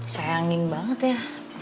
sayangin banget ya